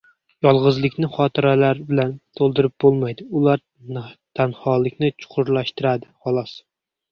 Yolg‘izlikni xotiralar bilan to‘ldirib bo‘lmaydi, ular tanholikni chuqurlashtiradi, xolos.